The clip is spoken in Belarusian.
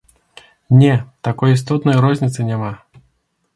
Не, такой істотнай розніцы няма.